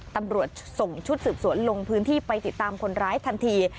ตำรวจส่งชุดสืบสวนลงพื้นที่ไปติดตามคนร้ายทันที